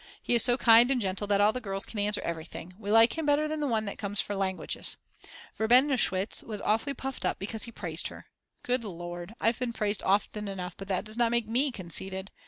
He is so kind and gentle that all the girls can answer everything; we like him better than the one who comes for languages. Verbenowitsch was awfully puffed up because he praised her. Good Lord, I've been praised often enough, but that does not make me conceited.